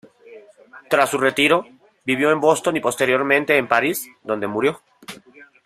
Tras su retiro, vivió en Boston y posteriormente en París, donde murió.